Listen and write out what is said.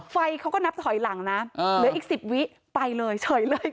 ไฟเขาก็นับถอยหลังนะเหลืออีก๑๐วิไปเลยเฉยเลย